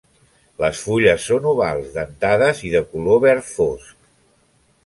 Les fulles són ovals, dentades i de color verd fosc.